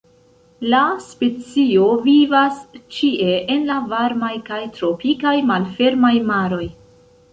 La specio vivas ĉie en la varmaj kaj tropikaj malfermaj maroj.